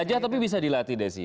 wajah tapi bisa dilatih desi